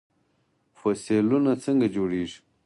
فوسیلونه څنګه جوړیږي؟